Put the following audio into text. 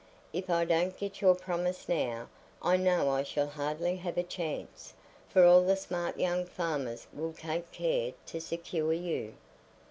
If I don't get your promise now, I know I shall hardly have a chance, for all the smart young farmers will take care to secure you."